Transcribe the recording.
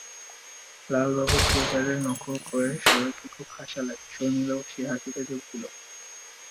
নালুবাবু থিয়েটারের নকল করে সবাইকে খুব হাসালেন, শর্মিলাও সে হাসিতে যোগ দিলে।